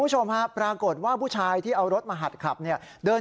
หัดขับรถในโรงเรียน